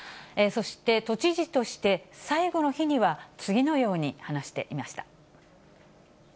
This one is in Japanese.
そして、都知事として最後の日には、次のように話していました。